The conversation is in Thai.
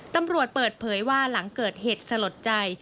ตำรวจเปิดเผยว่าหลังเกิดเหตุสลดใจ